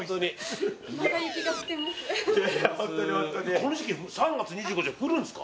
この時期３月２５で降るんですか？